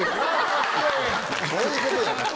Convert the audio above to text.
そういうことじゃない。